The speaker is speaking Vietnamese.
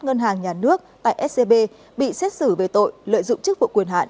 ngân hàng nhà nước tại scb bị xét xử về tội lợi dụng chức vụ quyền hạn